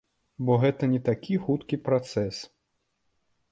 Бо гэта не такі хуткі працэс.